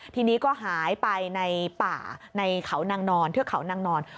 ทีนี้ก็หายไปในป่าในเขานางนอนเทือกเขานางนอน